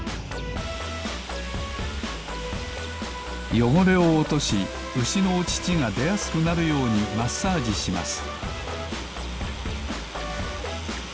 よごれをおとしうしのおちちがでやすくなるようにマッサージします